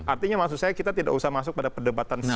artinya maksud saya kita tidak usah masuk pada perdebatan